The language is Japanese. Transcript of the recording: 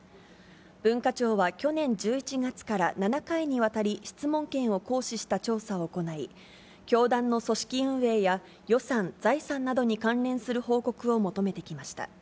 文化庁は、去年１１月から７回にわたり、質問権を行使した調査を行い、教団の組織運営や、予算・財産などに関連する報告を求めてきました。